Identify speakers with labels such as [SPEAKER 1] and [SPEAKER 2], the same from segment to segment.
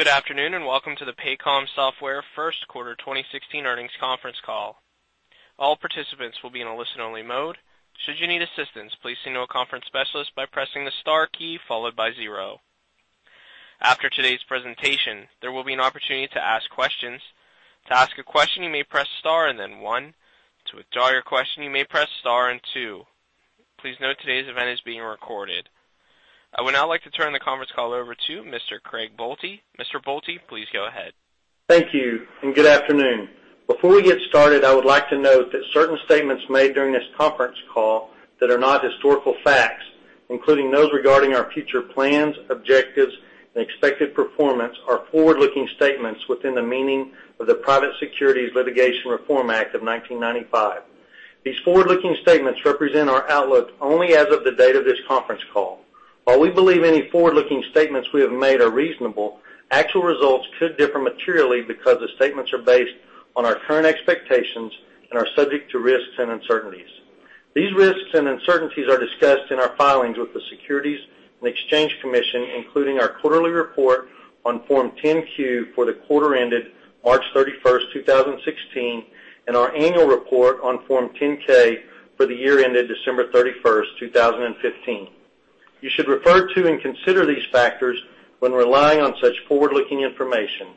[SPEAKER 1] Good afternoon, and welcome to the Paycom Software first quarter 2016 earnings conference call. All participants will be in a listen-only mode. Should you need assistance, please signal a conference specialist by pressing the star key followed by zero. After today's presentation, there will be an opportunity to ask questions. To ask a question, you may press star, and then one. To withdraw your question, you may press star and two. Please note, today's event is being recorded. I would now like to turn the conference call over to Mr. Craig Boelte. Mr. Boelte, please go ahead.
[SPEAKER 2] Thank you, and good afternoon. Before we get started, I would like to note that certain statements made during this conference call that are not historical facts, including those regarding our future plans, objectives, and expected performance, are forward-looking statements within the meaning of the Private Securities Litigation Reform Act of 1995. These forward-looking statements represent our outlook only as of the date of this conference call. While we believe any forward-looking statements we have made are reasonable, actual results could differ materially because the statements are based on our current expectations and are subject to risks and uncertainties. These risks and uncertainties are discussed in our filings with the Securities and Exchange Commission, including our quarterly report on Form 10-Q for the quarter ended March 31st, 2016, and our annual report on Form 10-K for the year ended December 31st, 2015. You should refer to and consider these factors when relying on such forward-looking information.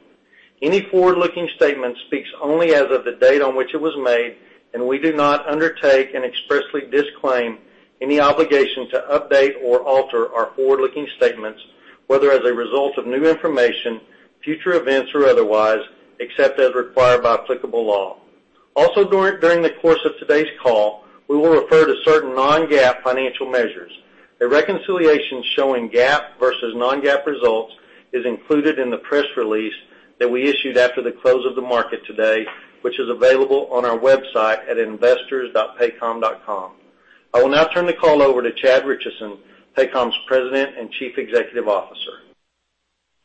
[SPEAKER 2] Any forward-looking statement speaks only as of the date on which it was made, and we do not undertake and expressly disclaim any obligation to update or alter our forward-looking statements, whether as a result of new information, future events, or otherwise, except as required by applicable law. Also, during the course of today's call, we will refer to certain non-GAAP financial measures. A reconciliation showing GAAP versus non-GAAP results is included in the press release that we issued after the close of the market today, which is available on our website at investors.paycom.com. I will now turn the call over to Chad Richison, Paycom's President and Chief Executive Officer.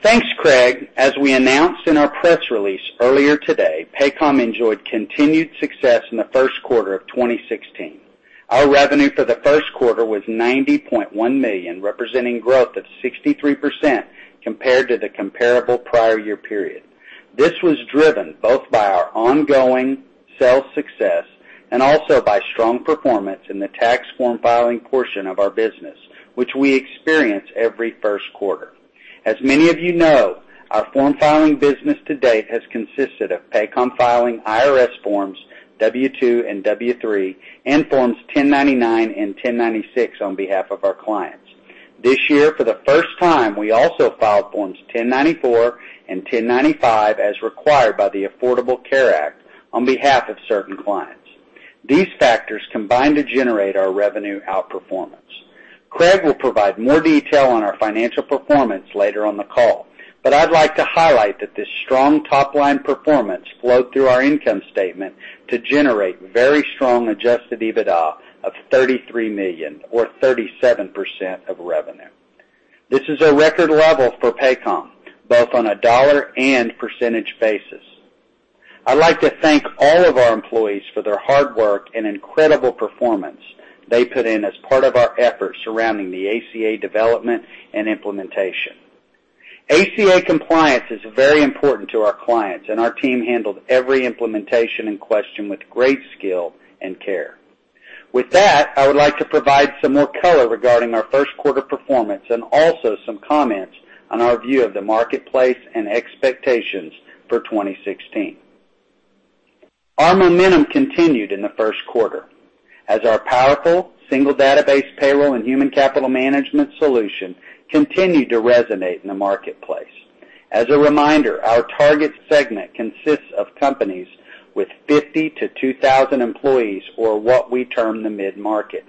[SPEAKER 3] Thanks, Craig. As we announced in our press release earlier today, Paycom enjoyed continued success in the first quarter of 2016. Our revenue for the first quarter was $90.1 million, representing growth of 63% compared to the comparable prior year period. This was driven both by our ongoing sales success and also by strong performance in the tax form filing portion of our business, which we experience every first quarter. As many of you know, our form filing business to date has consisted of Paycom filing IRS forms W-2 and W-3, and forms 1099 and 1096 on behalf of our clients. This year, for the first time, we also filed forms 1094 and 1095 as required by the Affordable Care Act on behalf of certain clients. These factors combined to generate our revenue outperformance. Craig will provide more detail on our financial performance later on the call, but I'd like to highlight that this strong top-line performance flowed through our income statement to generate very strong adjusted EBITDA of $33 million, or 37% of revenue. This is a record level for Paycom, both on a dollar and percentage basis. I'd like to thank all of our employees for their hard work and incredible performance they put in as part of our efforts surrounding the ACA development and implementation. ACA compliance is very important to our clients, and our team handled every implementation and question with great skill and care. With that, I would like to provide some more color regarding our first quarter performance and also some comments on our view of the marketplace and expectations for 2016. Our momentum continued in the first quarter as our powerful single database payroll and human capital management solution continued to resonate in the marketplace. As a reminder, our target segment consists of companies with 50 to 2,000 employees or what we term the mid-market.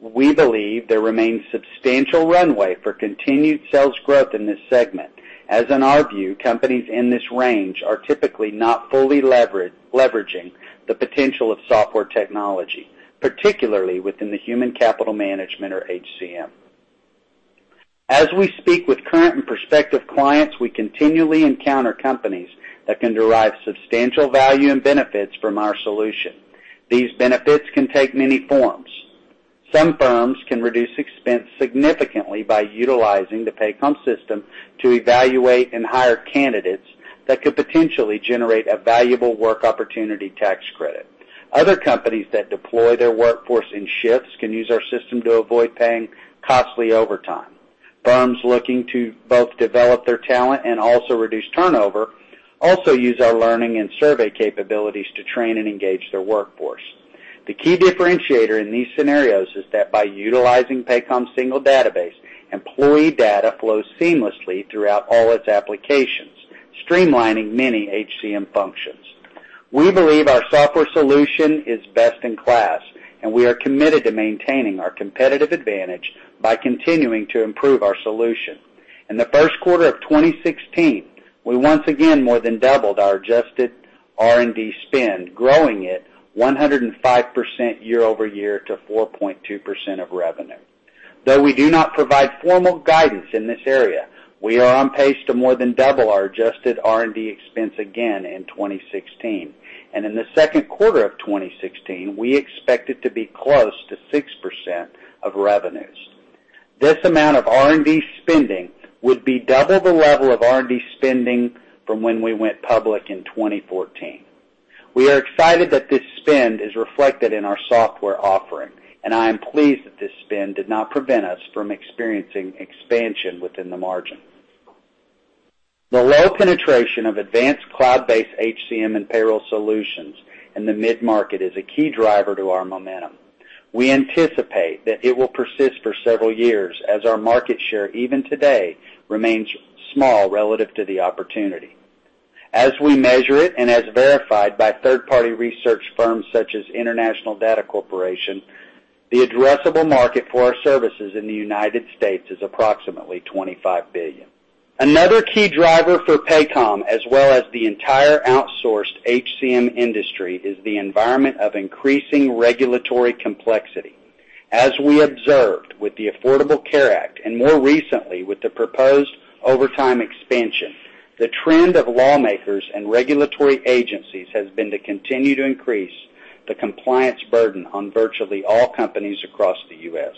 [SPEAKER 3] We believe there remains substantial runway for continued sales growth in this segment, as in our view, companies in this range are typically not fully leveraging the potential of software technology, particularly within the human capital management or HCM. As we speak with current and prospective clients, we continually encounter companies that can derive substantial value and benefits from our solution. These benefits can take many forms. Some firms can reduce expense significantly by utilizing the Paycom system to evaluate and hire candidates that could potentially generate a valuable Work Opportunity Tax Credit. Other companies that deploy their workforce in shifts can use our system to avoid paying costly overtime. Firms looking to both develop their talent and also reduce turnover also use our learning and survey capabilities to train and engage their workforce. The key differentiator in these scenarios is that by utilizing Paycom's single database, employee data flows seamlessly throughout all its applications, streamlining many HCM functions. We believe our software solution is best in class, and we are committed to maintaining our competitive advantage by continuing to improve our solution. In the first quarter of 2016, we once again more than doubled our adjusted R&D spend, growing it 105% year-over-year to 4.2% of revenue. Though we do not provide formal guidance in this area, we are on pace to more than double our adjusted R&D expense again in 2016. In the second quarter of 2016, we expect it to be close to 6% of revenues. This amount of R&D spending would be double the level of R&D spending from when we went public in 2014. We are excited that this spend is reflected in our software offering, and I am pleased that this spend did not prevent us from experiencing expansion within the margin. The low penetration of advanced cloud-based HCM and payroll solutions in the mid-market is a key driver to our momentum. We anticipate that it will persist for several years as our market share, even today, remains small relative to the opportunity. As we measure it, and as verified by third-party research firms such as International Data Corporation, the addressable market for our services in the United States is approximately $25 billion. Another key driver for Paycom, as well as the entire outsourced HCM industry, is the environment of increasing regulatory complexity. As we observed with the Affordable Care Act, and more recently with the proposed overtime expansion, the trend of lawmakers and regulatory agencies has been to continue to increase the compliance burden on virtually all companies across the U.S.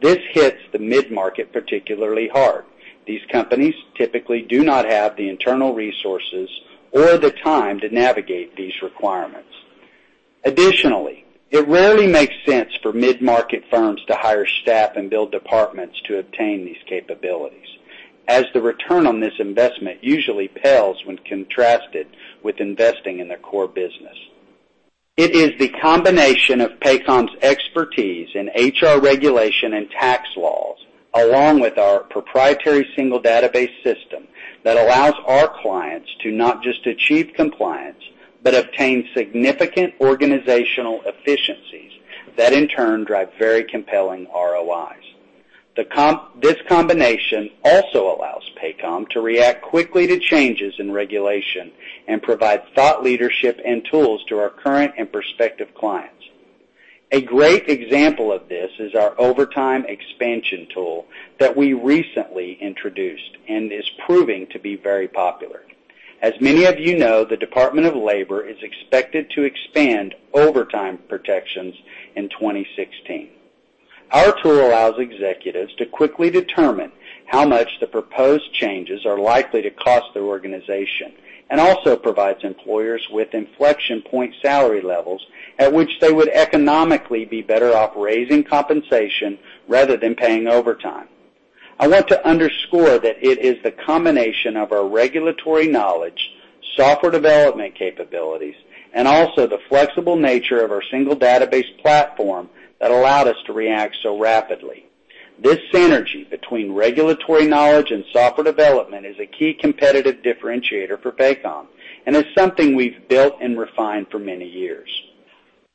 [SPEAKER 3] This hits the mid-market particularly hard. These companies typically do not have the internal resources or the time to navigate these requirements. Additionally, it rarely makes sense for mid-market firms to hire staff and build departments to obtain these capabilities, as the return on this investment usually pales when contrasted with investing in their core business. It is the combination of Paycom's expertise in HR regulation and tax laws, along with our proprietary single database system, that allows our clients to not just achieve compliance, but obtain significant organizational efficiencies that, in turn, drive very compelling ROIs. This combination also allows Paycom to react quickly to changes in regulation and provide thought leadership and tools to our current and prospective clients. A great example of this is our overtime expansion tool that we recently introduced and is proving to be very popular. As many of you know, the Department of Labor is expected to expand overtime protections in 2016. Our tool allows executives to quickly determine how much the proposed changes are likely to cost their organization, and also provides employers with inflection point salary levels at which they would economically be better off raising compensation rather than paying overtime. I want to underscore that it is the combination of our regulatory knowledge, software development capabilities, and also the flexible nature of our single database platform that allowed us to react so rapidly. This synergy between regulatory knowledge and software development is a key competitive differentiator for Paycom and is something we've built and refined for many years.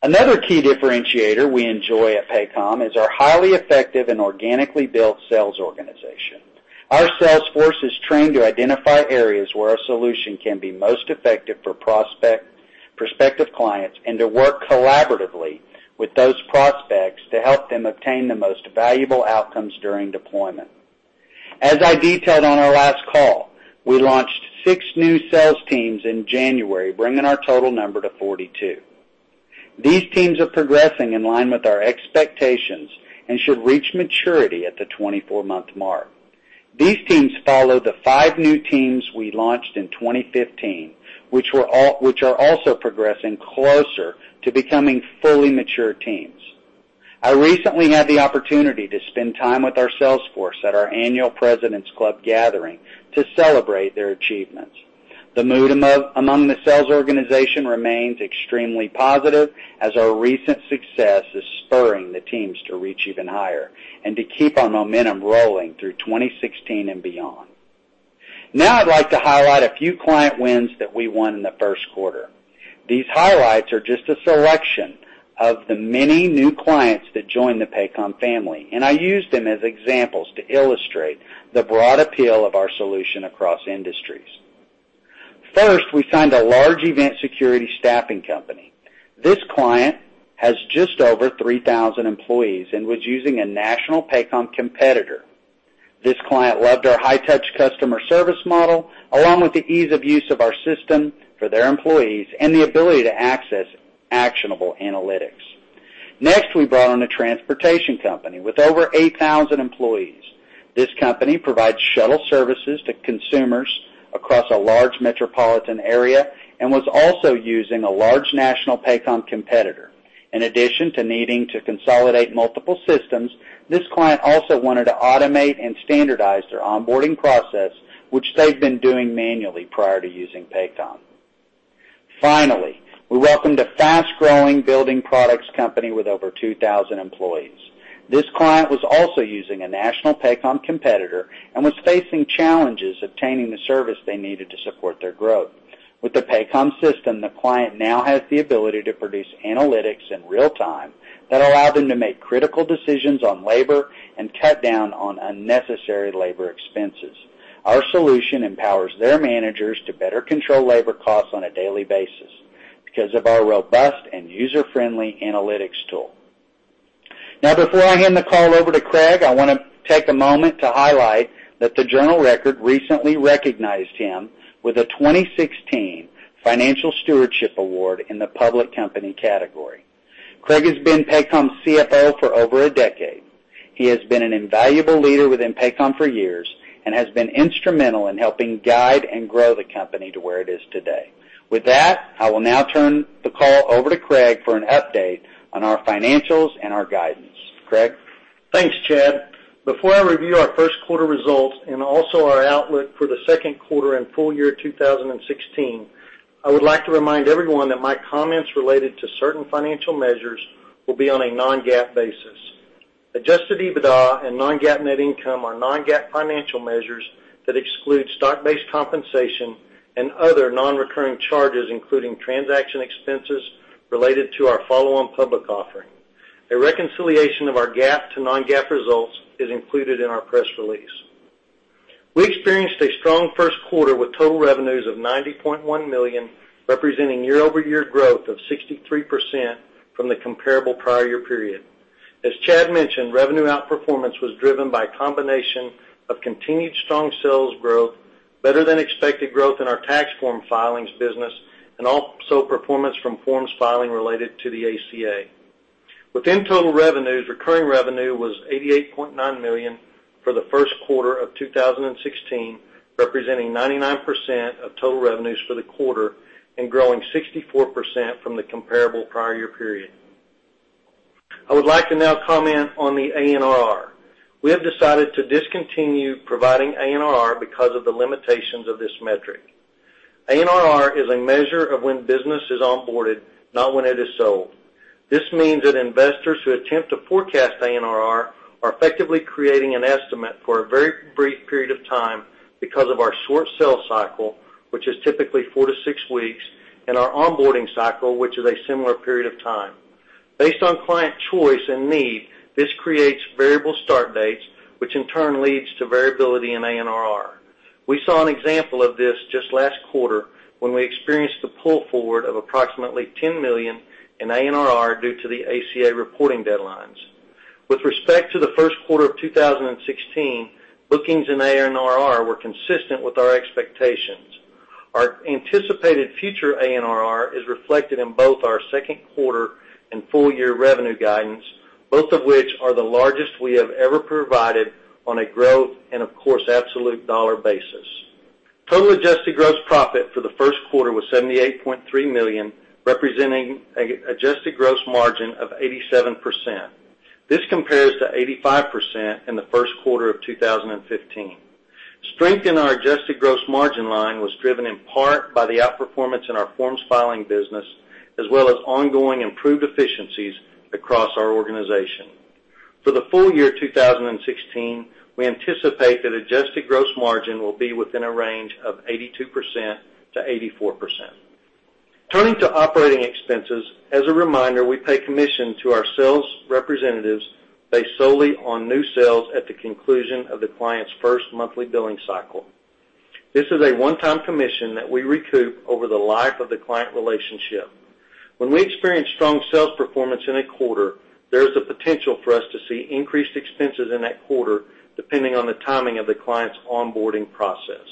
[SPEAKER 3] Another key differentiator we enjoy at Paycom is our highly effective and organically built sales organization. Our sales force is trained to identify areas where our solution can be most effective for prospective clients, and to work collaboratively with those prospects to help them obtain the most valuable outcomes during deployment. As I detailed on our last call, we launched 6 new sales teams in January, bringing our total number to 42. These teams are progressing in line with our expectations and should reach maturity at the 24-month mark. These teams follow the 5 new teams we launched in 2015, which are also progressing closer to becoming fully mature teams. I recently had the opportunity to spend time with our sales force at our annual President's Club gathering to celebrate their achievements. The mood among the sales organization remains extremely positive, as our recent success is spurring the teams to reach even higher and to keep our momentum rolling through 2016 and beyond. I'd like to highlight a few client wins that we won in the first quarter. These highlights are just a selection of the many new clients that joined the Paycom family, and I use them as examples to illustrate the broad appeal of our solution across industries. First, we signed a large event security staffing company. This client has just over 3,000 employees and was using a national Paycom competitor. This client loved our high-touch customer service model, along with the ease of use of our system for their employees and the ability to access actionable analytics. Next, we brought on a transportation company with over 8,000 employees. This company provides shuttle services to consumers across a large metropolitan area and was also using a large national Paycom competitor. In addition to needing to consolidate multiple systems, this client also wanted to automate and standardize their onboarding process, which they've been doing manually prior to using Paycom. Finally, we welcomed a fast-growing building products company with over 2,000 employees. This client was also using a national Paycom competitor and was facing challenges obtaining the service they needed to support their growth. With the Paycom system, the client now has the ability to produce analytics in real time that allow them to make critical decisions on labor and cut down on unnecessary labor expenses. Our solution empowers their managers to better control labor costs on a daily basis because of our robust and user-friendly analytics tool. Before I hand the call over to Craig, I want to take a moment to highlight that The Journal Record recently recognized him with a 2016 Financial Stewardship Award in the public company category. Craig has been Paycom's CFO for over a decade. He has been an invaluable leader within Paycom for years and has been instrumental in helping guide and grow the company to where it is today. With that, I will now turn the call over to Craig for an update on our financials and our guidance. Craig?
[SPEAKER 2] Thanks, Chad. Before I review our first quarter results and also our outlook for the second quarter and full year 2016, I would like to remind everyone that my comments related to certain financial measures will be on a non-GAAP basis. Adjusted EBITDA and non-GAAP net income are non-GAAP financial measures that exclude stock-based compensation and other non-recurring charges, including transaction expenses related to our follow-on public offering. A reconciliation of our GAAP to non-GAAP results is included in our press release. We experienced a strong first quarter with total revenues of $90.1 million, representing year-over-year growth of 63% from the comparable prior year period. As Chad mentioned, revenue outperformance was driven by a combination of continued strong sales growth, better than expected growth in our tax form filings business, and also performance from forms filing related to the ACA. Within total revenues, recurring revenue was $88.9 million for the first quarter of 2016, representing 99% of total revenues for the quarter and growing 64% from the comparable prior year period. I would like to now comment on the ANRR. We have decided to discontinue providing ANRR because of the limitations of this metric. ANRR is a measure of when business is onboarded, not when it is sold. This means that investors who attempt to forecast ANRR are effectively creating an estimate for a very brief period of time because of our short sales cycle, which is typically four to six weeks, and our onboarding cycle, which is a similar period of time. Based on client choice and need, this creates variable start dates, which in turn leads to variability in ANRR. We saw an example of this just last quarter when we experienced the pull forward of approximately $10 million in ANRR due to the ACA reporting deadlines. With respect to the first quarter of 2016, bookings and ANRR were consistent with our expectations. Our anticipated future ANRR is reflected in both our second quarter and full year revenue guidance, both of which are the largest we have ever provided on a growth and of course, absolute dollar basis. Total adjusted gross profit for the first quarter was $78.3 million, representing adjusted gross margin of 87%. This compares to 85% in the first quarter of 2015. Strength in our adjusted gross margin line was driven in part by the outperformance in our forms filing business, as well as ongoing improved efficiencies across our organization. For the full year 2016, we anticipate that adjusted gross margin will be within a range of 82%-84%. Turning to operating expenses, as a reminder, we pay commission to our sales representatives based solely on new sales at the conclusion of the client's first monthly billing cycle. This is a one-time commission that we recoup over the life of the client relationship. When we experience strong sales performance in a quarter, there is a potential for us to see increased expenses in that quarter, depending on the timing of the client's onboarding process.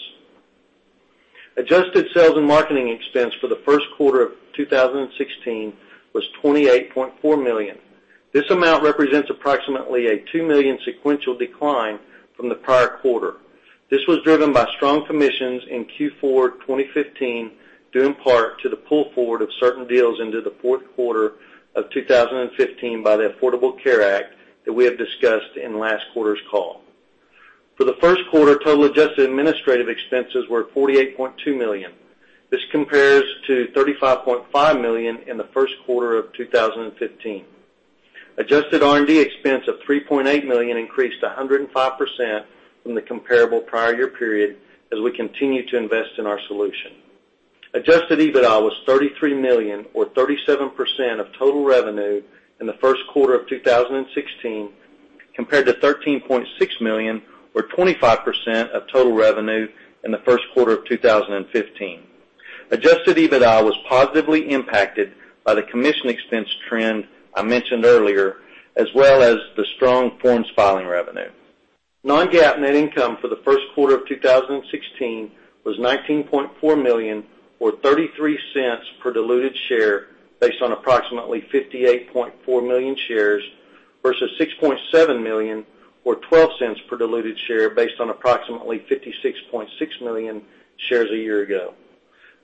[SPEAKER 2] Adjusted sales and marketing expense for the first quarter of 2016 was $28.4 million. This amount represents approximately a $2 million sequential decline from the prior quarter. This was driven by strong commissions in Q4 2015, due in part to the pull forward of certain deals into the fourth quarter of 2015 by the Affordable Care Act that we have discussed in last quarter's call. For the first quarter, total adjusted administrative expenses were $48.2 million. This compares to $35.5 million in the first quarter of 2015. Adjusted R&D expense of $3.8 million increased 105% from the comparable prior year period as we continue to invest in our solution. Adjusted EBITDA was $33 million or 37% of total revenue in the first quarter of 2016, compared to $13.6 million or 25% of total revenue in the first quarter of 2015. Adjusted EBITDA was positively impacted by the commission expense trend I mentioned earlier, as well as the strong forms filing revenue. Non-GAAP net income for the first quarter of 2016 was $19.4 million or $0.33 per diluted share based on approximately 58.4 million shares versus $6.7 million or $0.12 per diluted share based on approximately 56.6 million shares a year ago.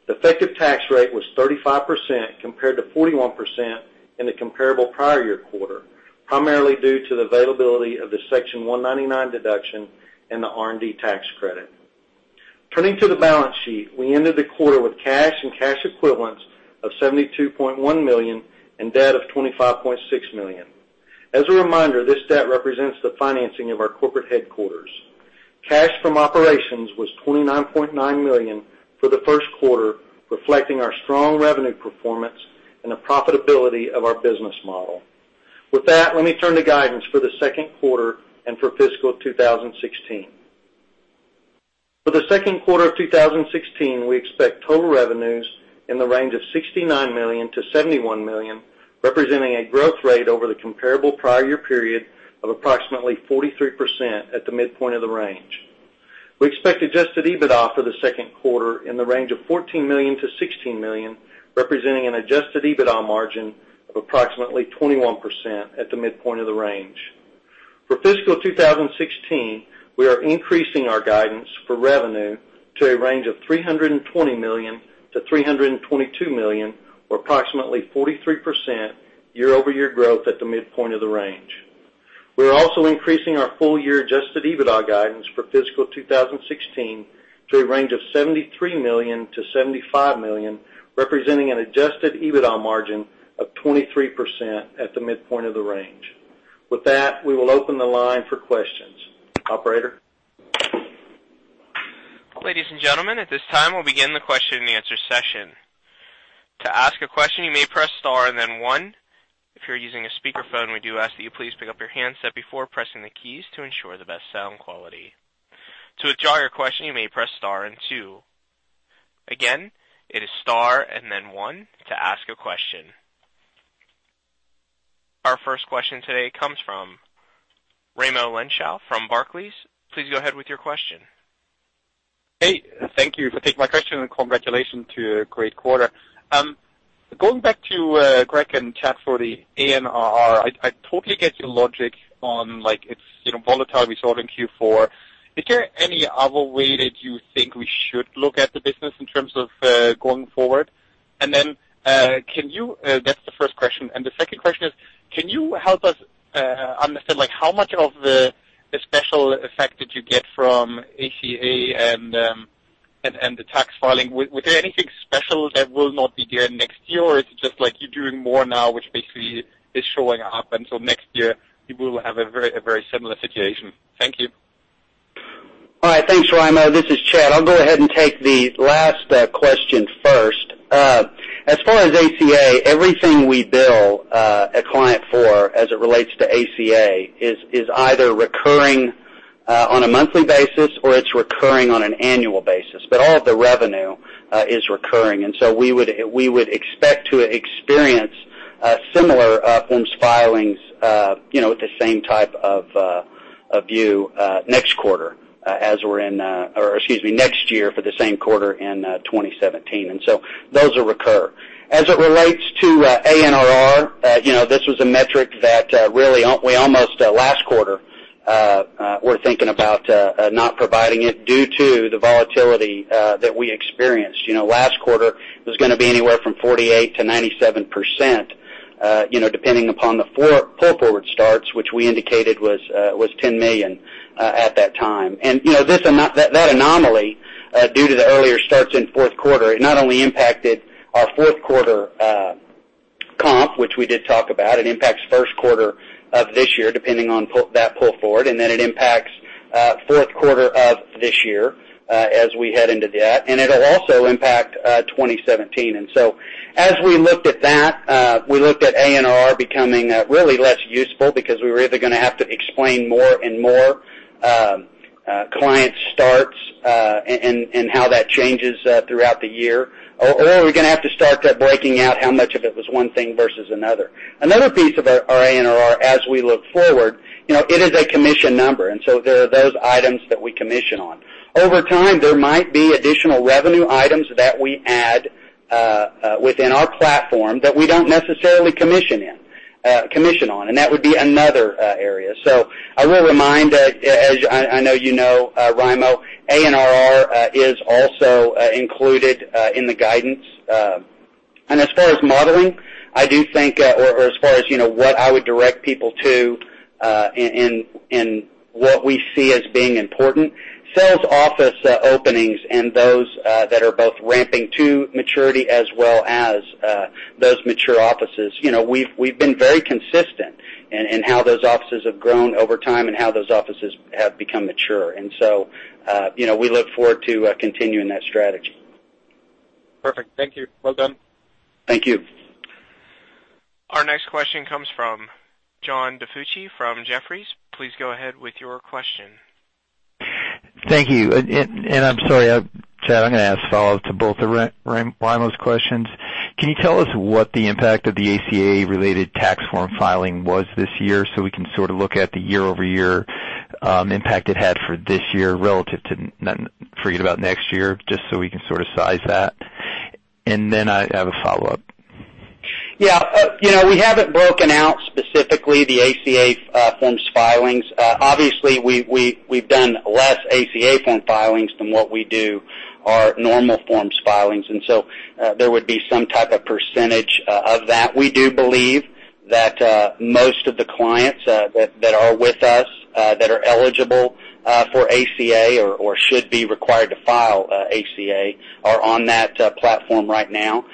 [SPEAKER 2] The effective tax rate was 35% compared to 41% in the comparable prior year quarter, primarily due to the availability of the Section 199A deduction and the R&D tax credit. Turning to the balance sheet, we ended the quarter with cash and cash equivalents of $72.1 million and debt of $25.6 million. As a reminder, this debt represents the financing of our corporate headquarters. Cash from operations was $29.9 million for the first quarter, reflecting our strong revenue performance and the profitability of our business model. With that, let me turn to guidance for the second quarter and for fiscal 2016. For the second quarter of 2016, we expect total revenues in the range of $69 million-$71 million, representing a growth rate over the comparable prior year period of approximately 43% at the midpoint of the range. We expect adjusted EBITDA for the second quarter in the range of $14 million-$16 million, representing an adjusted EBITDA margin of approximately 21% at the midpoint of the range. For fiscal 2016, we are increasing our guidance for revenue to a range of $320 million-$322 million, or approximately 43% year-over-year growth at the midpoint of the range. We're also increasing our full year adjusted EBITDA guidance for fiscal 2016 to a range of $73 million-$75 million, representing an adjusted EBITDA margin of 23% at the midpoint of the range. With that, we will open the line for questions. Operator?
[SPEAKER 1] Ladies and gentlemen, at this time, we'll begin the question and answer session. To ask a question, you may press star and then one. If you're using a speakerphone, we do ask that you please pick up your handset before pressing the keys to ensure the best sound quality. To withdraw your question, you may press star and two. Again, it is star and then one to ask a question. Our first question today comes from Raimo Lenschow from Barclays. Please go ahead with your question.
[SPEAKER 4] Hey, thank you for taking my question, congratulations to a great quarter. Going back to Craig and Chad for the ANRR, I totally get your logic on it's volatile. We saw it in Q4. Is there any other way that you think we should look at the business in terms of going forward? That's the first question. The second question is, can you help us understand how much of the special effect did you get from ACA and the tax filing? Was there anything special that will not be there next year, or is it just like you're doing more now, which basically is showing up, and so next year you will have a very similar situation? Thank you.
[SPEAKER 3] All right. Thanks, Raimo. This is Chad. I'll go ahead and take the last question first. As far as ACA, everything we bill a client for as it relates to ACA is either recurring on a monthly basis or it's recurring on an annual basis. All of the revenue is recurring, so we would expect to experience similar forms filings with the same type of view next year for the same quarter in 2017. Those will recur. As it relates to ANRR, this was a metric that really, we almost, last quarter, were thinking about not providing it due to the volatility that we experienced. Last quarter was going to be anywhere from 48%-97%, depending upon the four pull-forward starts, which we indicated was $10 million at that time. That anomaly, due to the earlier starts in fourth quarter, it not only impacted our fourth quarter comp, which we did talk about, it impacts first quarter of this year, depending on that pull forward. It impacts fourth quarter of this year as we head into that. It will also impact 2017. As we looked at that, we looked at ANRR becoming really less useful because we were either going to have to explain more and more client starts and how that changes throughout the year, or we are going to have to start breaking out how much of it was one thing versus another. Another piece of our ANRR as we look forward, it is a commission number. There are those items that we commission on. Over time, there might be additional revenue items that we add within our platform that we do not necessarily commission on. That would be another area. I will remind, as I know you know, Raimo, ANRR is also included in the guidance. As far as modeling, or as far as what I would direct people to in what we see as being important, sales office openings and those that are both ramping to maturity as well as those mature offices. We have been very consistent in how those offices have grown over time and how those offices have become mature. We look forward to continuing that strategy.
[SPEAKER 4] Perfect. Thank you. Well done.
[SPEAKER 3] Thank you.
[SPEAKER 1] Our next question comes from John DiFucci from Jefferies. Please go ahead with your question.
[SPEAKER 5] Thank you. I'm sorry, Chad, I'm going to ask a follow-up to both of Raimo's questions. Can you tell us what the impact of the ACA related tax form filing was this year so we can sort of look at the year-over-year impact it had for this year relative to forget about next year, just so we can sort of size that? Then I have a follow-up.
[SPEAKER 3] Yeah. We haven't broken out specifically the ACA forms filings. Obviously, we've done less ACA form filings than what we do our normal forms filings. So there would be some type of percentage of that. We do believe that most of the clients that are with us that are eligible for ACA or should be required to file ACA are on that platform right now.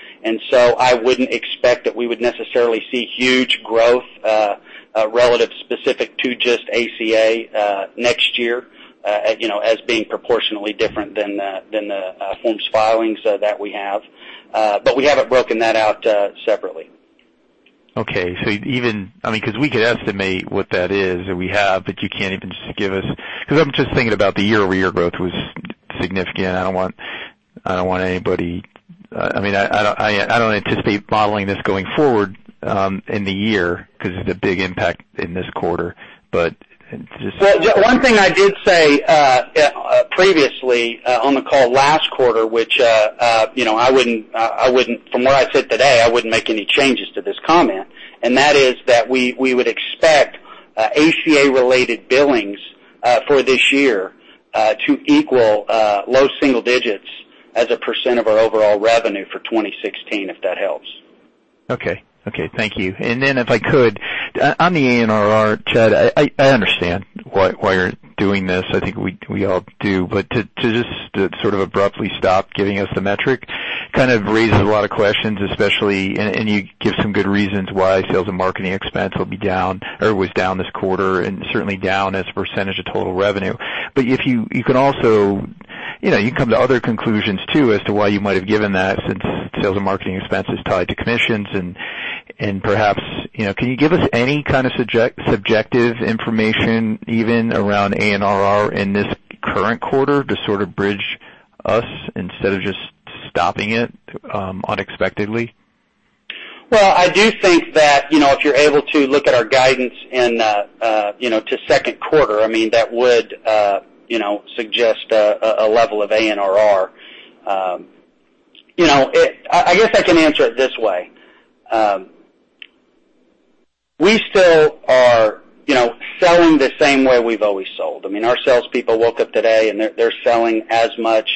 [SPEAKER 3] So I wouldn't expect that we would necessarily see huge growth relative specific to just ACA next year as being proportionally different than the forms filings that we have. We haven't broken that out separately.
[SPEAKER 5] Okay. We could estimate what that is that we have, you can't even just. I'm just thinking about the year-over-year growth was significant. I don't anticipate modeling this going forward in the year because it's a big impact in this quarter.
[SPEAKER 3] Well, one thing I did say previously on the call last quarter, which, from where I sit today, I wouldn't make any changes to this comment, and that is that we would expect ACA-related billings for this year to equal low single digits as a % of our overall revenue for 2016, if that helps.
[SPEAKER 5] Okay. Thank you. If I could, on the ANRR, Chad, I understand why you're doing this. I think we all do. To just sort of abruptly stop giving us the metric kind of raises a lot of questions, especially, and you give some good reasons why sales and marketing expense will be down or was down this quarter and certainly down as a % of total revenue. You can come to other conclusions, too, as to why you might have given that since sales and marketing expense is tied to commissions and perhaps, can you give us any kind of subjective information, even around ANRR in this current quarter to sort of bridge us instead of just stopping it unexpectedly?
[SPEAKER 3] Well, I do think that, if you're able to look at our guidance to second quarter, that would suggest a level of ANRR. I guess I can answer it this way. We still are selling the same way we've always sold. Our salespeople woke up today, and they're selling as much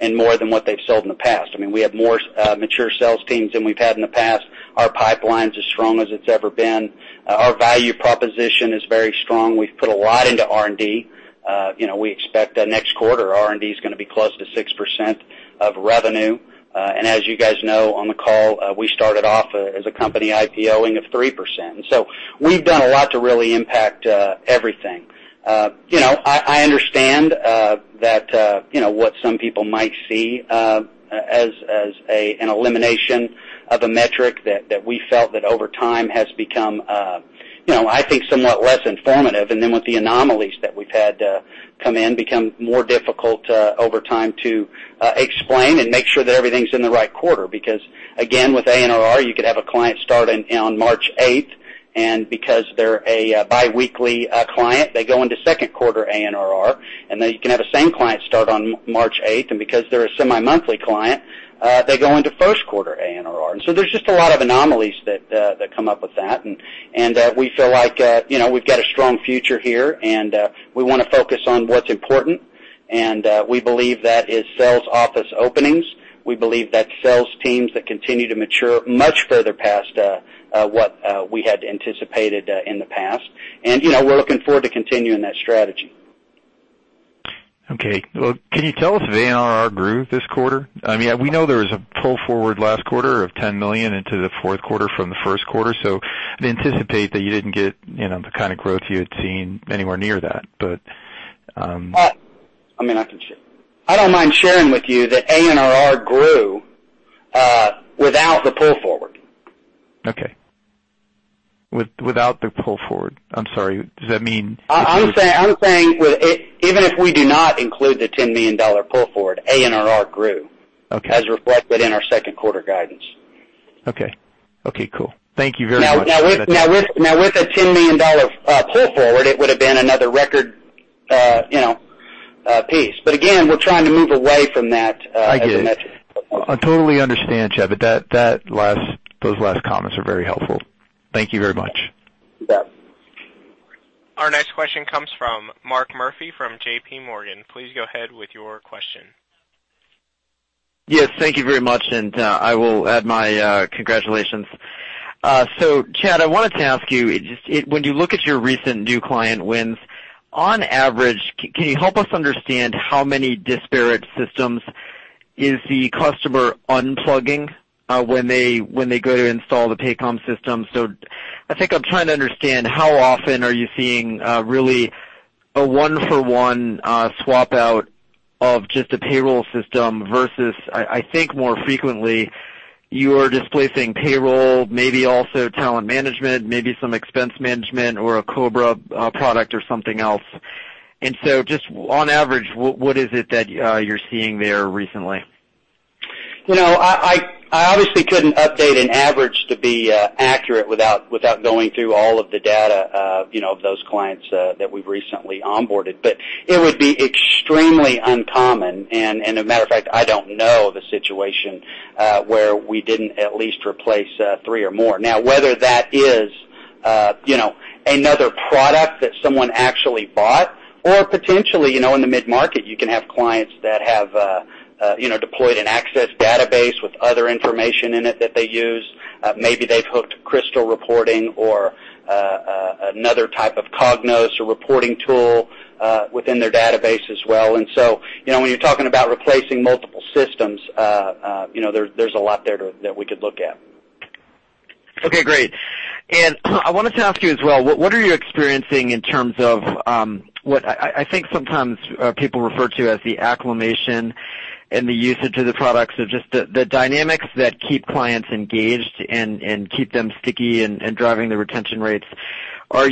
[SPEAKER 3] and more than what they've sold in the past. We have more mature sales teams than we've had in the past. Our pipeline's as strong as it's ever been. Our value proposition is very strong. We've put a lot into R&D. We expect that next quarter, R&D is going to be close to 6% of revenue. As you guys know, on the call, we started off as a company IPO-ing of 3%. We've done a lot to really impact everything. I understand what some people might see as an elimination of a metric that we felt that over time has become, I think, somewhat less informative. With the anomalies that we've had come in, become more difficult over time to explain and make sure that everything's in the right quarter. Again, with ANRR, you could have a client start on March 8th, and because they're a biweekly client, they go into second quarter ANRR, and then you can have the same client start on March 8th, and because they're a semi-monthly client, they go into first quarter ANRR. There's just a lot of anomalies that come up with that, and we feel like we've got a strong future here, and we want to focus on what's important, and we believe that is sales office openings. We believe that sales teams that continue to mature much further past what we had anticipated in the past. We're looking forward to continuing that strategy.
[SPEAKER 5] Okay. Well, can you tell us if ANRR grew this quarter? We know there was a pull forward last quarter of $10 million into the fourth quarter from the first quarter. I'd anticipate that you didn't get the kind of growth you had seen anywhere near that.
[SPEAKER 3] I don't mind sharing with you that ANRR grew without the pull forward.
[SPEAKER 5] Okay. Without the pull forward. I'm sorry, does that mean?
[SPEAKER 3] I'm saying even if we do not include the $10 million pull forward, ANRR grew-
[SPEAKER 5] Okay
[SPEAKER 3] as reflected in our second quarter guidance.
[SPEAKER 5] Okay. Cool. Thank you very much.
[SPEAKER 3] Now, with a $10 million pull forward, it would've been another record piece. Again, we're trying to move away from that as a metric.
[SPEAKER 5] I get it. I totally understand, Chad, those last comments are very helpful. Thank you very much.
[SPEAKER 3] You bet.
[SPEAKER 1] Our next question comes from Mark Murphy from JP Morgan. Please go ahead with your question.
[SPEAKER 6] Yes, thank you very much, I will add my congratulations. Chad, I wanted to ask you, when you look at your recent new client wins, on average, can you help us understand how many disparate systems is the customer unplugging when they go to install the Paycom system? I think I'm trying to understand how often are you seeing really a one-for-one swap out of just a payroll system versus, I think, more frequently, you are displacing payroll, maybe also talent management, maybe some expense management or a COBRA product or something else. Just on average, what is it that you're seeing there recently?
[SPEAKER 3] I obviously couldn't update an average to be accurate without going through all of the data of those clients that we've recently onboarded. It would be extremely uncommon, and a matter of fact, I don't know of a situation where we didn't at least replace three or more. Whether that is another product that someone actually bought or potentially, in the mid-market, you can have clients that have deployed an Access database with other information in it that they use. Maybe they've hooked Crystal Reports or another type of Cognos or reporting tool within their database as well. When you're talking about replacing multiple systems, there's a lot there that we could look at.
[SPEAKER 6] Okay, great. I wanted to ask you as well, what are you experiencing in terms of what I think sometimes people refer to as the acclimation and the usage of the products or just the dynamics that keep clients engaged and keep them sticky and driving the retention rates? For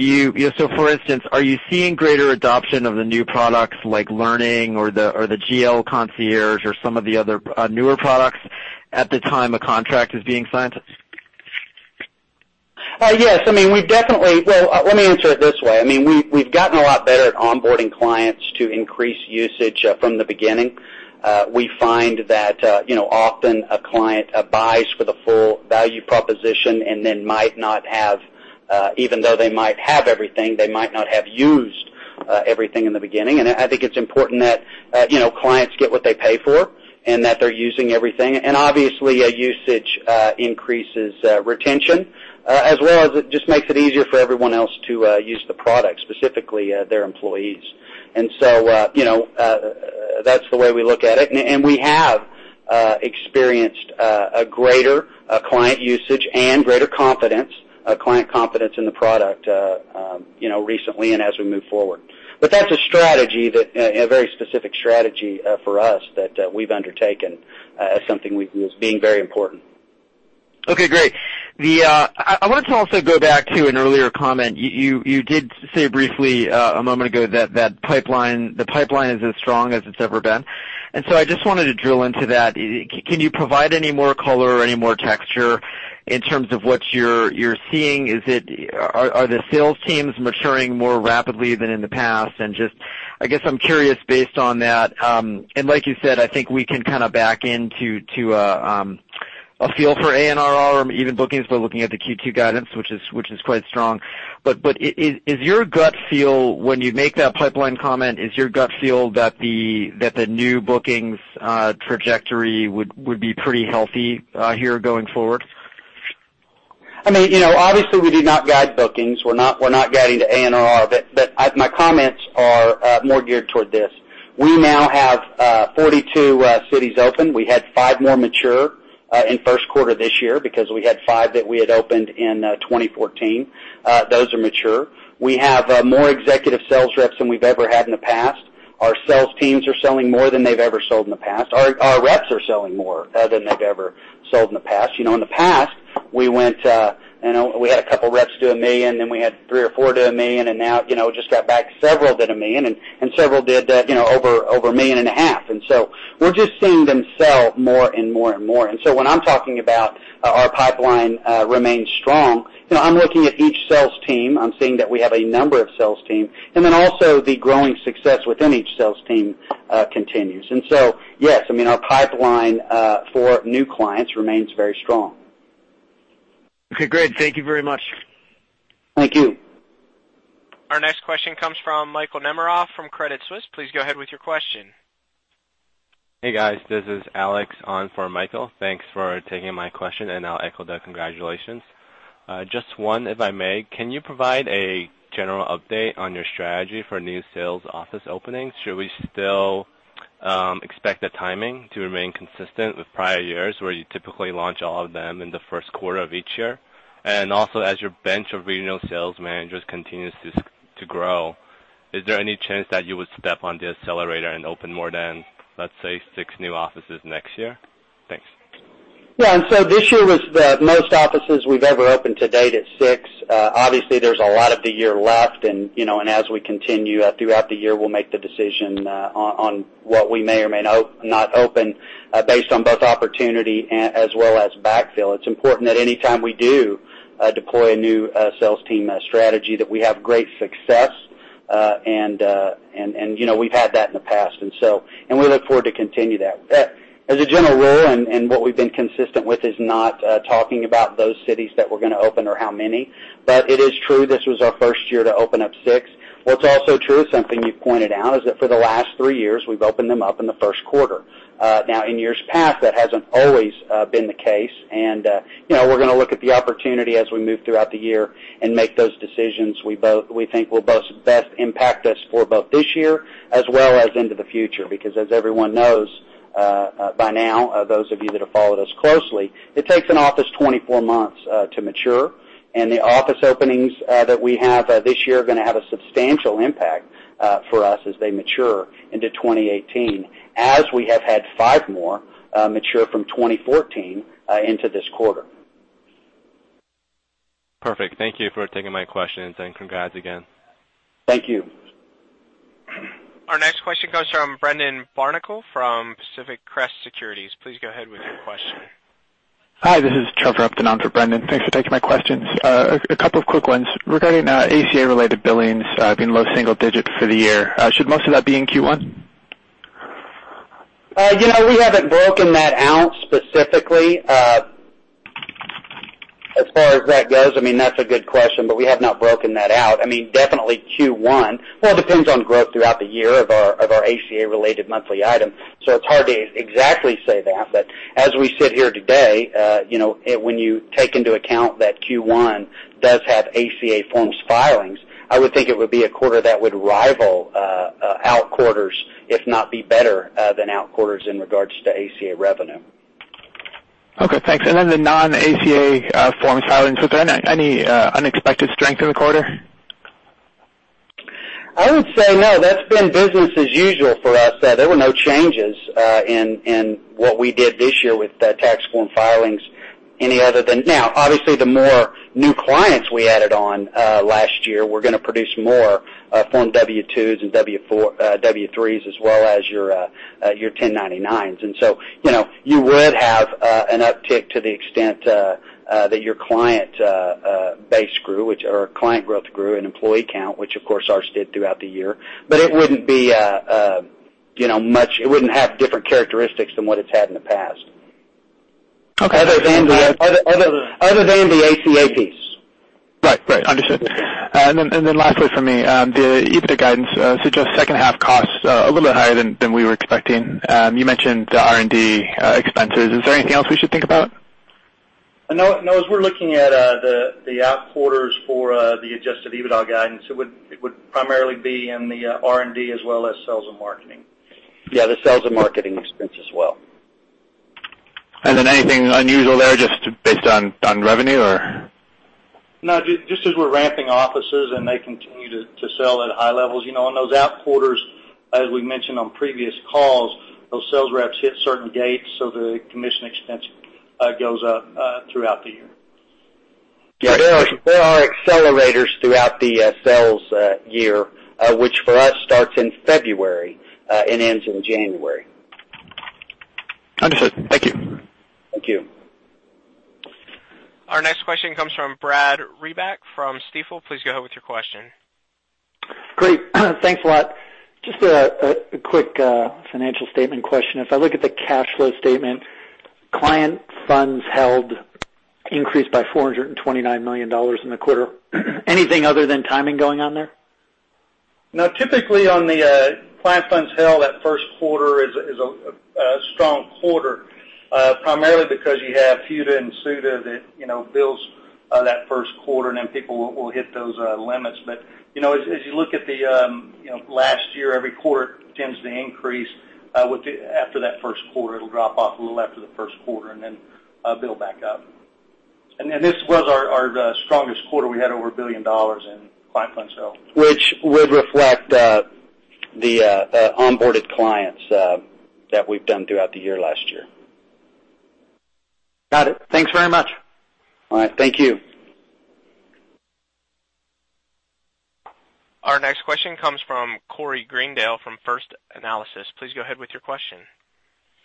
[SPEAKER 6] instance, are you seeing greater adoption of the new products like Learning or the GL Concierge or some of the other newer products at the time a contract is being signed?
[SPEAKER 3] Yes. Let me answer it this way. We've gotten a lot better at onboarding clients to increase usage from the beginning. We find that often a client buys for the full value proposition and then even though they might have everything, they might not have used everything in the beginning. I think it's important that clients get what they pay for and that they're using everything. Obviously, usage increases retention, as well as it just makes it easier for everyone else to use the product, specifically their employees. That's the way we look at it. We have experienced a greater client usage and greater client confidence in the product recently and as we move forward. That's a very specific strategy for us that we've undertaken as something we feel as being very important.
[SPEAKER 6] Okay, great. I wanted to also go back to an earlier comment. You did say briefly a moment ago that the pipeline is as strong as it's ever been. I just wanted to drill into that. Can you provide any more color or any more texture in terms of what you're seeing? Are the sales teams maturing more rapidly than in the past? I guess I'm curious based on that, and like you said, I think we can kind of back into a feel for ANRR or even bookings by looking at the Q2 guidance, which is quite strong. When you make that pipeline comment, is your gut feel that the new bookings trajectory would be pretty healthy here going forward?
[SPEAKER 3] Obviously, we do not guide bookings. We're not guiding to ANR, but my comments are more geared toward this. We now have 42 cities open. We had five more mature in first quarter this year because we had five that we had opened in 2014. Those are mature. We have more executive sales reps than we've ever had in the past. Our sales teams are selling more than they've ever sold in the past. Our reps are selling more than they've ever sold in the past. In the past, we had a couple reps do $1 million, then we had three or four do $1 million, and now, just got back, several did $1 million, and several did over $1.5 million. We're just seeing them sell more and more and more. When I'm talking about our pipeline remains strong, I'm looking at each sales team. I'm seeing that we have a number of sales team, and then also the growing success within each sales team continues. Yes, our pipeline for new clients remains very strong.
[SPEAKER 6] Okay, great. Thank you very much.
[SPEAKER 3] Thank you.
[SPEAKER 1] Our next question comes from Michael Nemeroff from Credit Suisse. Please go ahead with your question.
[SPEAKER 7] Hey, guys. This is Alex on for Michael. Thanks for taking my question, I'll echo the congratulations. Just one, if I may. Can you provide a general update on your strategy for new sales office openings? Should we still expect the timing to remain consistent with prior years, where you typically launch all of them in the first quarter of each year? Also, as your bench of regional sales managers continues to grow, is there any chance that you would step on the accelerator and open more than, let's say, six new offices next year? Thanks.
[SPEAKER 3] Yeah. This year was the most offices we've ever opened to date at six. Obviously, there's a lot of the year left, as we continue throughout the year, we'll make the decision on what we may or may not open based on both opportunity as well as backfill. It's important that any time we do deploy a new sales team strategy, that we have great success, we've had that in the past. We look forward to continue that. As a general rule, what we've been consistent with is not talking about those cities that we're going to open or how many. It is true, this was our first year to open up six. What's also true, something you've pointed out, is that for the last three years, we've opened them up in the first quarter. In years past, that hasn't always been the case. We're going to look at the opportunity as we move throughout the year and make those decisions we think will best impact us for both this year as well as into the future. Because as everyone knows by now, those of you that have followed us closely, it takes an office 24 months to mature, and the office openings that we have this year are going to have a substantial impact for us as they mature into 2018, as we have had five more mature from 2014 into this quarter.
[SPEAKER 7] Perfect. Thank you for taking my question and congrats again.
[SPEAKER 3] Thank you.
[SPEAKER 1] Our next question comes from Brendan Barnicle from Pacific Crest Securities. Please go ahead with your question.
[SPEAKER 8] Hi, this is Trevor Upton on for Brendan. Thanks for taking my questions. A couple of quick ones. Regarding ACA-related billings being low single digits for the year, should most of that be in Q1?
[SPEAKER 3] We haven't broken that out specifically as far as that goes. That's a good question, we have not broken that out. Definitely Q1. It depends on growth throughout the year of our ACA-related monthly items, it's hard to exactly say that. As we sit here today, when you take into account that Q1 does have ACA forms filings, I would think it would be a quarter that would rival out quarters, if not be better than out quarters in regards to ACA revenue.
[SPEAKER 8] Okay, thanks. The non-ACA forms filings, was there any unexpected strength in the quarter?
[SPEAKER 3] I would say no, that's been business as usual for us. There were no changes in what we did this year with the tax form filings, any other than Now, obviously, the more new clients we added on last year, we're going to produce more form W-2s and W-3s as well as your 1099s. You would have an uptick to the extent that your client base grew, or client growth grew, and employee count, which of course, ours did throughout the year. It wouldn't have different characteristics than what it's had in the past.
[SPEAKER 8] Okay.
[SPEAKER 3] Other than the ACA piece.
[SPEAKER 8] Right. Understood. Lastly from me, the EBITDA guidance suggests second half costs are a little bit higher than we were expecting. You mentioned the R&D expenses. Is there anything else we should think about?
[SPEAKER 2] No, as we're looking at the out quarters for the adjusted EBITDA guidance, it would primarily be in the R&D as well as sales and marketing.
[SPEAKER 3] Yeah, the sales and marketing expense as well.
[SPEAKER 8] Anything unusual there just based on revenue, or?
[SPEAKER 2] No, just as we're ramping offices, they continue to sell at high levels. In those out quarters, as we mentioned on previous calls, those sales reps hit certain gates, the commission expense goes up throughout the year.
[SPEAKER 3] Yeah. There are accelerators throughout the sales year, which for us starts in February, ends in January.
[SPEAKER 8] Understood. Thank you.
[SPEAKER 3] Thank you.
[SPEAKER 1] Our next question comes from Brad Reback from Stifel. Please go ahead with your question.
[SPEAKER 9] Great. Thanks a lot. Just a quick financial statement question. If I look at the cash flow statement, client funds held increased by $429 million in the quarter. Anything other than timing going on there?
[SPEAKER 2] No, typically on the client funds held, that first quarter is a strong quarter, primarily because you have FUTA and SUTA that fills that first quarter, then people will hit those limits. As you look at the last year, every quarter tends to increase after that first quarter. It will drop off a little after the first quarter and then build back up. This was our strongest quarter. We had over $1 billion in client funds held.
[SPEAKER 3] Which would reflect the onboarded clients that we have done throughout the year last year.
[SPEAKER 9] Got it. Thanks very much.
[SPEAKER 3] All right. Thank you.
[SPEAKER 1] Our next question comes from Corey Greendale from First Analysis. Please go ahead with your question.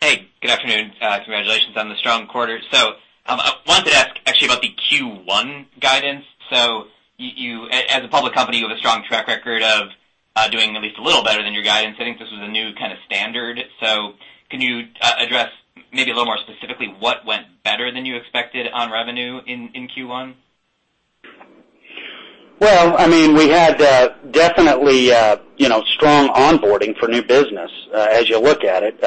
[SPEAKER 10] Hey, good afternoon. Congratulations on the strong quarter. I wanted to ask actually about the Q1 guidance. As a public company, you have a strong track record of doing at least a little better than your guidance. I think this was a new kind of standard. Can you address maybe a little more specifically what went better than you expected on revenue in Q1?
[SPEAKER 3] We had definitely strong onboarding for new business, as you look at it.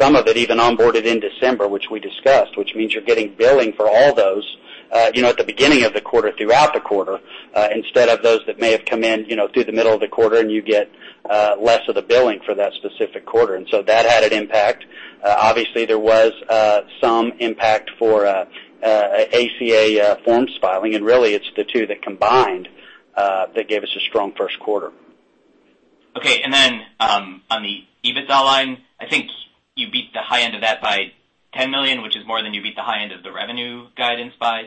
[SPEAKER 3] Some of it even onboarded in December, which we discussed, which means you're getting billing for all those, at the beginning of the quarter, throughout the quarter, instead of those that may have come in through the middle of the quarter, and you get less of the billing for that specific quarter. That had an impact. Obviously, there was some impact for ACA forms filing. Really it's the two that combined that gave us a strong first quarter.
[SPEAKER 10] Okay. On the EBITDA line, I think you beat the high end of that by $10 million, which is more than you beat the high end of the revenue guidance by.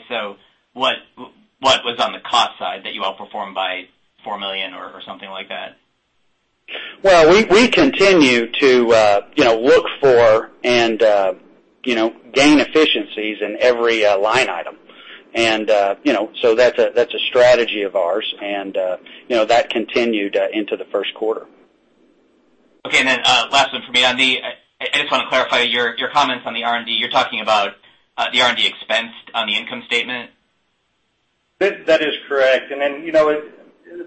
[SPEAKER 10] What was on the cost side that you outperformed by $4 million or something like that?
[SPEAKER 3] Well, we continue to look for and gain efficiencies in every line item. That's a strategy of ours. That continued into the first quarter.
[SPEAKER 10] Okay. Last one for me. I just want to clarify your comments on the R&D. You're talking about the R&D expense on the income statement?
[SPEAKER 2] That is correct. Then,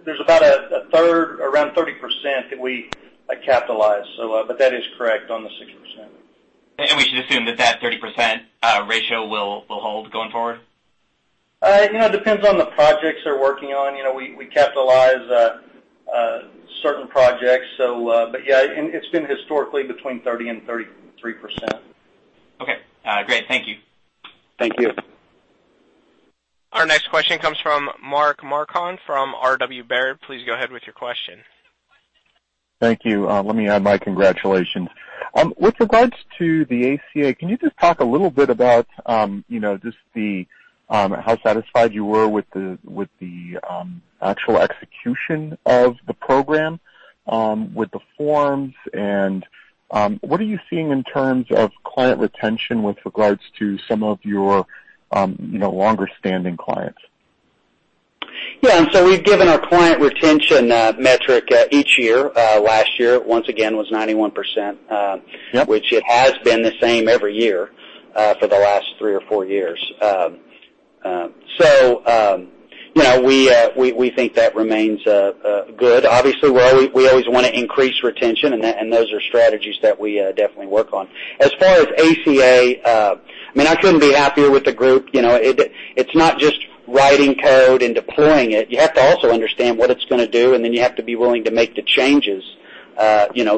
[SPEAKER 2] there's about a third, around 30%, that we capitalize. That is correct on the 6%.
[SPEAKER 10] We should assume that that 30% ratio will hold going forward?
[SPEAKER 2] It depends on the projects they're working on. We capitalize certain projects. Yeah, it's been historically between 30% and 33%.
[SPEAKER 10] Okay. Great. Thank you.
[SPEAKER 3] Thank you.
[SPEAKER 1] Our next question comes from Mark Marcon from RW Baird. Please go ahead with your question.
[SPEAKER 11] Thank you. Let me add my congratulations. With regards to the ACA, can you just talk a little bit about just how satisfied you were with the actual execution of the program, with the forms, and what are you seeing in terms of client retention with regards to some of your longer-standing clients?
[SPEAKER 3] Yeah. We've given our client retention metric each year. Last year, once again, was 91%.
[SPEAKER 11] Yep which it has been the same every year for the last three or four years. We think that remains good. Obviously, we always want to increase retention, and those are strategies that we definitely work on. As far as ACA, I couldn't be happier with the group. It's not just writing code and deploying it. You have to also understand what it's going to do, and then you have to be willing to make the changes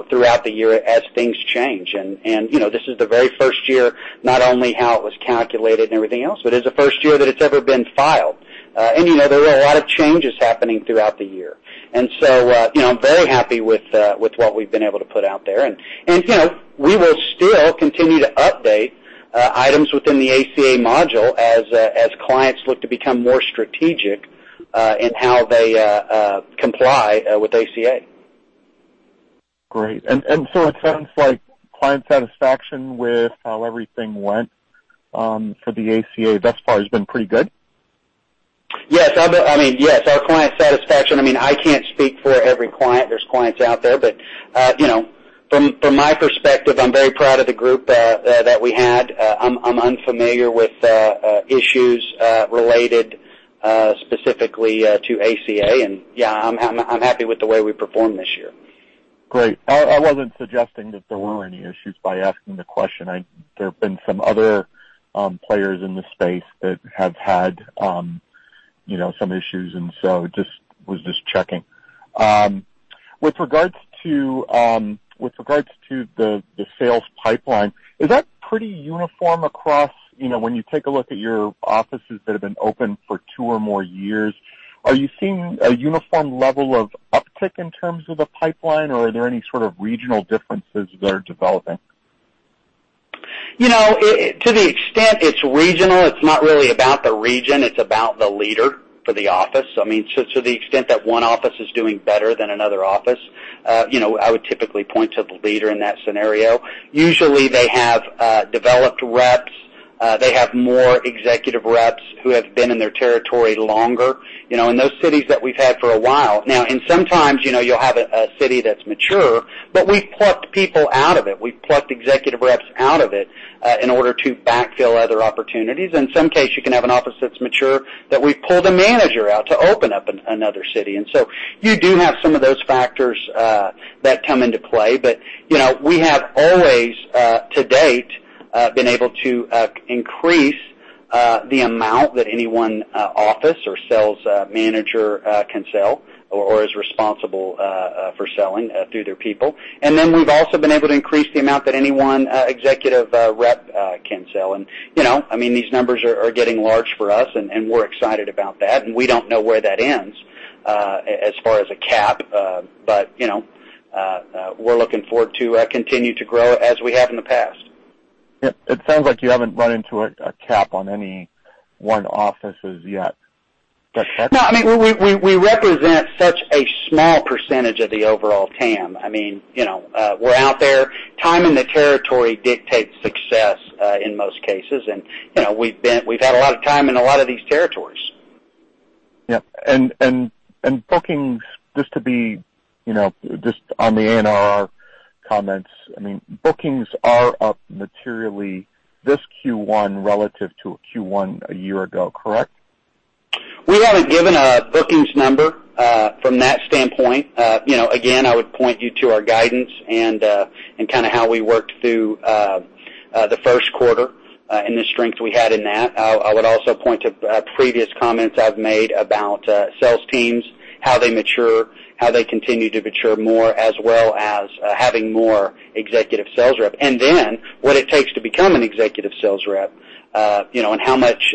[SPEAKER 11] throughout the year as things change. This is the very first year, not only how it was calculated and everything else, but it's the first year that it's ever been filed. There were a lot of changes happening throughout the year. I'm very happy with what we've been able to put out there.
[SPEAKER 3] We will still continue to update items within the ACA module as clients look to become more strategic, in how they comply with ACA.
[SPEAKER 11] Great. It sounds like client satisfaction with how everything went, for the ACA thus far has been pretty good.
[SPEAKER 3] Yes. Our client satisfaction, I can't speak for every client. There's clients out there. From my perspective, I'm very proud of the group that we had. I'm unfamiliar with issues related specifically to ACA. Yeah, I'm happy with the way we performed this year.
[SPEAKER 11] Great. I wasn't suggesting that there were any issues by asking the question. There have been some other players in the space that have had some issues, just checking. With regards to the sales pipeline, is that pretty uniform across when you take a look at your offices that have been open for two or more years, are you seeing a uniform level of uptick in terms of the pipeline, or are there any sort of regional differences that are developing?
[SPEAKER 3] To the extent it's regional, it's not really about the region, it's about the leader for the office. To the extent that one office is doing better than another office, I would typically point to the leader in that scenario. Usually, they have developed reps, they have more executive reps who have been in their territory longer, in those cities that we've had for a while. Sometimes, you'll have a city that's mature, but we've plucked people out of it. We've plucked executive reps out of it, in order to backfill other opportunities. In some case, you can have an office that's mature that we pull the manager out to open up another city. You do have some of those factors that come into play. We have always, to date, been able to increase the amount that any one office or sales manager can sell or is responsible for selling through their people. We've also been able to increase the amount that any one executive rep can sell. These numbers are getting large for us, and we're excited about that. We don't know where that ends, as far as a cap. We're looking forward to continue to grow as we have in the past.
[SPEAKER 11] Yep. It sounds like you haven't run into a cap on any one offices yet.
[SPEAKER 3] No, we represent such a small percentage of the overall TAM. We're out there. Time in the territory dictates success, in most cases. We've had a lot of time in a lot of these territories.
[SPEAKER 11] Yep. Bookings, just on the ANRR comments, bookings are up materially this Q1 relative to a Q1 a year ago, correct?
[SPEAKER 3] We haven't given a bookings number, from that standpoint. Again, I would point you to our guidance and kind of how we worked through the first quarter, and the strength we had in that. I would also point to previous comments I've made about sales teams, how they mature, how they continue to mature more, as well as having more executive sales rep. What it takes to become an executive sales rep, and how much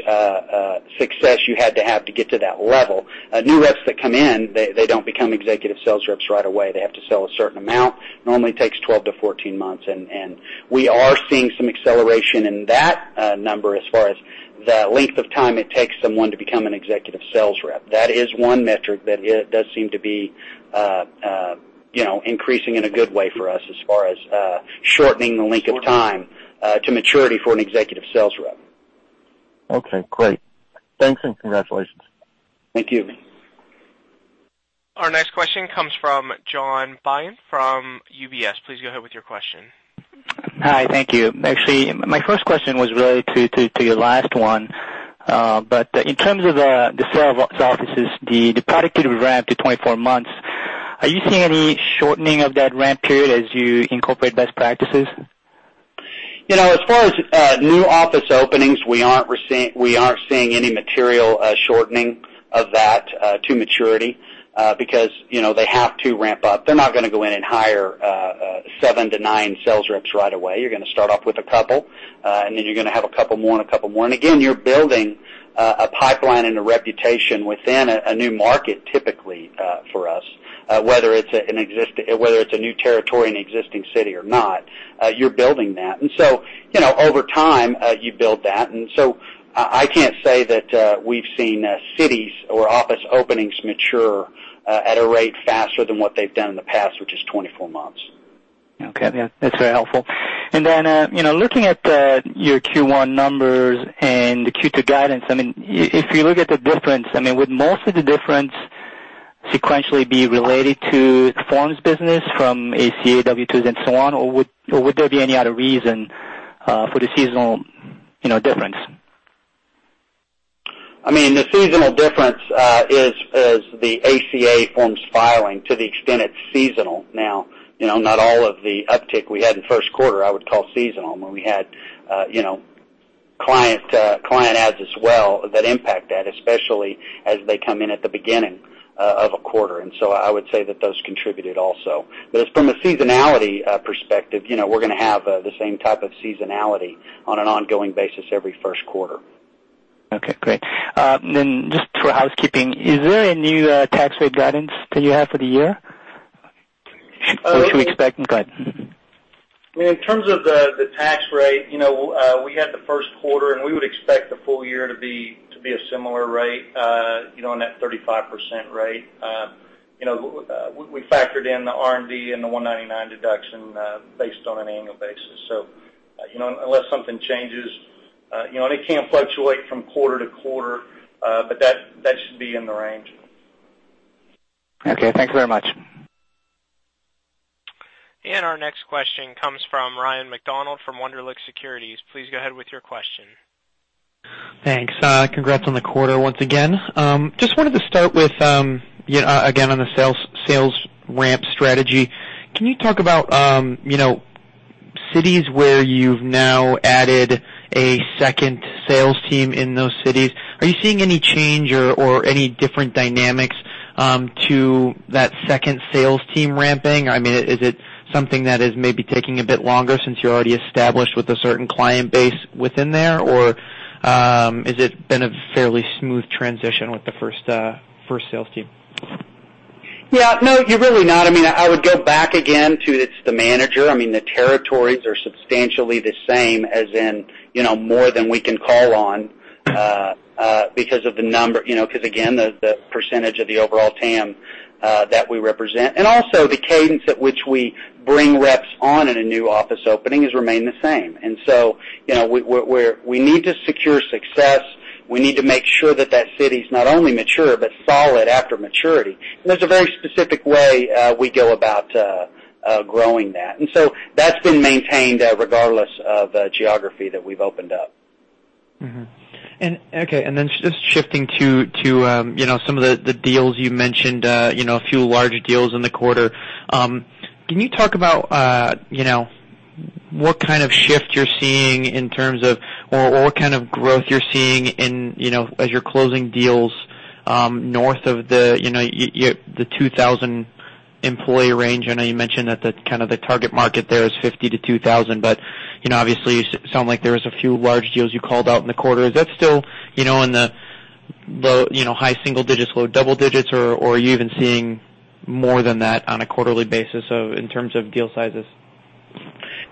[SPEAKER 3] success you had to have to get to that level. New reps that come in, they don't become executive sales reps right away. They have to sell a certain amount. Normally takes 12 to 14 months. We are seeing some acceleration in that number as far as the length of time it takes someone to become an executive sales rep. That is one metric that does seem to be increasing in a good way for us as far as shortening the length of time to maturity for an executive sales rep.
[SPEAKER 11] Okay, great. Thanks and congratulations.
[SPEAKER 3] Thank you.
[SPEAKER 1] Our next question comes from John Bayan from UBS. Please go ahead with your question.
[SPEAKER 12] Hi. Thank you. Actually, my first question was really to your last one. In terms of the sale of offices, the productivity ramp to 24 months, are you seeing any shortening of that ramp period as you incorporate best practices?
[SPEAKER 3] As far as new office openings, we aren't seeing any material shortening of that to maturity, because they have to ramp up. They're not going to go in and hire 7 to 9 sales reps right away. You're going to start off with a couple, then you're going to have a couple more and a couple more. Again, you're building a pipeline and a reputation within a new market typically, for us. Whether it's a new territory in an existing city or not, you're building that. So, over time, you build that. So I can't say that we've seen cities or office openings mature at a rate faster than what they've done in the past, which is 24 months.
[SPEAKER 12] Okay. Yeah. That's very helpful. Then, looking at your Q1 numbers and the Q2 guidance, if you look at the difference, would most of the difference sequentially be related to forms business from ACA, W-2s and so on? Would there be any other reason for the seasonal difference?
[SPEAKER 3] The seasonal difference is the ACA forms filing to the extent it's seasonal now. Not all of the uptick we had in first quarter I would call seasonal, Client adds as well that impact that, especially as they come in at the beginning of a quarter. So I would say that those contributed also. From a seasonality perspective, we're going to have the same type of seasonality on an ongoing basis every first quarter.
[SPEAKER 12] Okay, great. Just for housekeeping, is there a new tax rate guidance that you have for the year? What should we expect? Go ahead.
[SPEAKER 3] In terms of the tax rate, we had the first quarter, and we would expect the full year to be a similar rate, on that 35% rate. We factored in the R&D and the 199 deduction based on an annual basis. Unless something changes, and it can fluctuate from quarter to quarter, but that should be in the range.
[SPEAKER 12] Okay, thank you very much.
[SPEAKER 1] Our next question comes from Ryan MacDonald from Wunderlich Securities. Please go ahead with your question.
[SPEAKER 13] Thanks. Congrats on the quarter once again. Just wanted to start with, again, on the sales ramp strategy. Can you talk about cities where you've now added a second sales team in those cities? Are you seeing any change or any different dynamics to that second sales team ramping? Is it something that is maybe taking a bit longer since you're already established with a certain client base within there? Has it been a fairly smooth transition with the first sales team?
[SPEAKER 3] Yeah. No, you're really not. I would go back again to it's the manager. The territories are substantially the same as in more than we can call on, because of the number, because again, the percentage of the overall TAM that we represent. The cadence at which we bring reps on in a new office opening has remained the same. We need to secure success. We need to make sure that city's not only mature, but solid after maturity. There's a very specific way we go about growing that. That's been maintained regardless of geography that we've opened up.
[SPEAKER 13] Mm-hmm. Just shifting to some of the deals you mentioned, a few larger deals in the quarter. Can you talk about what kind of shift you're seeing in terms of, or what kind of growth you're seeing as you're closing deals north of the 2,000 employee range? I know you mentioned that the target market there is 50 to 2,000. You sound like there was a few large deals you called out in the quarter. Is that still in the high single digits, low double digits, or are you even seeing more than that on a quarterly basis in terms of deal sizes?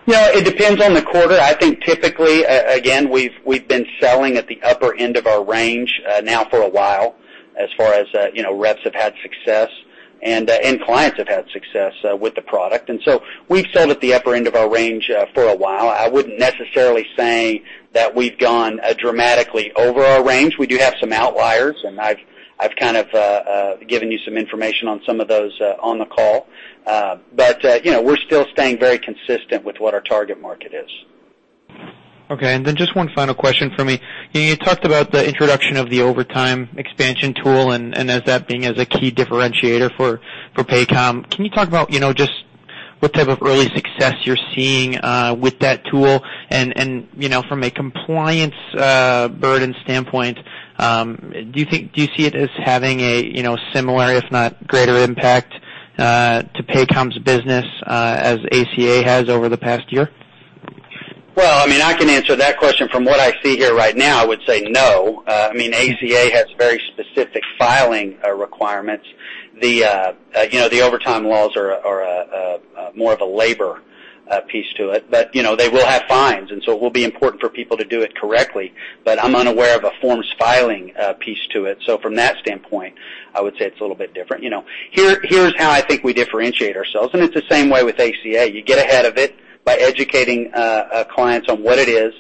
[SPEAKER 3] It depends on the quarter. I think typically, again, we've been selling at the upper end of our range now for a while, as far as reps have had success and clients have had success with the product. We've sold at the upper end of our range for a while. I wouldn't necessarily say that we've gone dramatically over our range. We do have some outliers, and I've kind of given you some information on some of those on the call. We're still staying very consistent with what our target market is.
[SPEAKER 13] Just one final question for me. You talked about the introduction of the overtime expansion tool, and as that being as a key differentiator for Paycom. Can you talk about just what type of early success you're seeing with that tool? From a compliance burden standpoint, do you see it as having a similar, if not greater impact, to Paycom's business as ACA has over the past year?
[SPEAKER 3] Well, I can answer that question from what I see here right now, I would say no. ACA has very specific filing requirements. The overtime laws are more of a labor piece to it. They will have fines, and so it will be important for people to do it correctly. I'm unaware of a forms filing piece to it. From that standpoint, I would say it's a little bit different. Here's how I think we differentiate ourselves, and it's the same way with ACA. You get ahead of it by educating clients on what it is,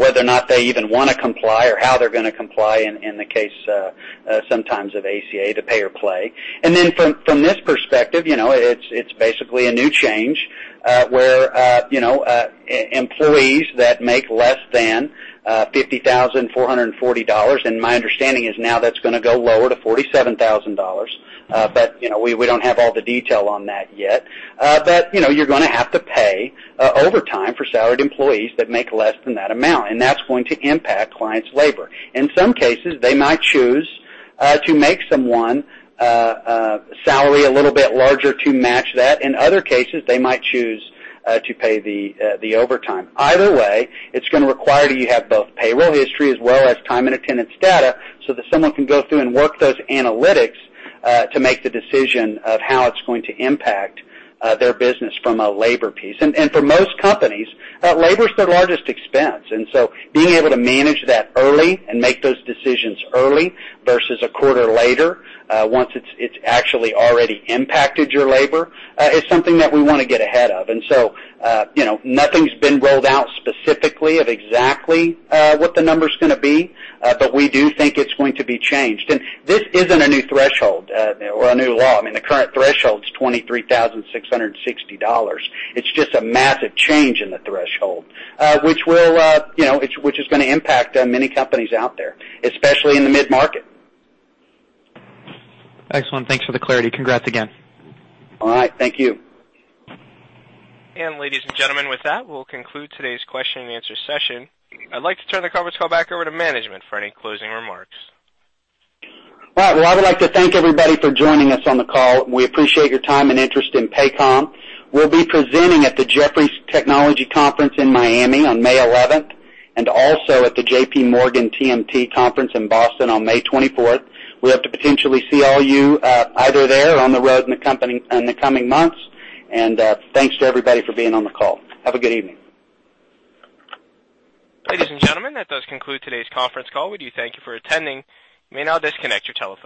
[SPEAKER 3] whether or not they even want to comply or how they're going to comply in the case sometimes of ACA to pay or play. From this perspective, it's basically a new change, where employees that make less than $50,440, and my understanding is now that's going to go lower to $47,000. We don't have all the detail on that yet. You're going to have to pay overtime for salaried employees that make less than that amount, and that's going to impact clients' labor. In some cases, they might choose to make someone salary a little bit larger to match that. In other cases, they might choose to pay the overtime. Either way, it's going to require that you have both payroll history as well as time and attendance data, so that someone can go through and work those analytics to make the decision of how it's going to impact their business from a labor piece. For most companies, labor is their largest expense. Being able to manage that early and make those decisions early versus a quarter later, once it's actually already impacted your labor, is something that we want to get ahead of. Nothing's been rolled out specifically of exactly what the number's going to be, but we do think it's going to be changed. This isn't a new threshold or a new law. The current threshold is $23,660. It's just a massive change in the threshold, which is going to impact many companies out there, especially in the mid-market.
[SPEAKER 13] Excellent. Thanks for the clarity. Congrats again.
[SPEAKER 3] All right. Thank you.
[SPEAKER 1] Ladies and gentlemen, with that, we'll conclude today's question and answer session. I'd like to turn the conference call back over to management for any closing remarks.
[SPEAKER 3] All right. I would like to thank everybody for joining us on the call. We appreciate your time and interest in Paycom. We'll be presenting at the Jefferies Technology Conference in Miami on May 11th and also at the JP Morgan TMT Conference in Boston on May 24th. We hope to potentially see all you either there or on the road in the coming months. Thanks to everybody for being on the call. Have a good evening.
[SPEAKER 1] Ladies and gentlemen, that does conclude today's conference call. We do thank you for attending. You may now disconnect your telephones.